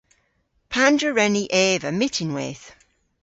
Pandr'a wren ni eva myttinweyth?